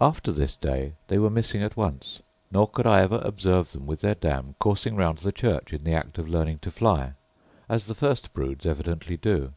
After this day they were missing at once; nor could I ever observe them with their dam coursing round the church in the act of learning to fly, as the first broods evidently do.